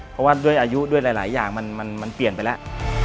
เพราะว่าด้วยอายุด้วยหลายอย่างมันเปลี่ยนไปแล้ว